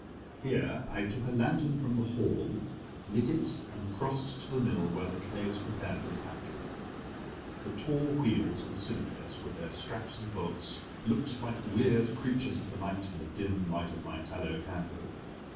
Here I took a lantern from the hall, lit it and crossed to the mill where the clay was prepared for the factory. The tall wheels and cylinders, with their straps and bolts, looked like weird creatures of the night in the dim light of my tallow candle.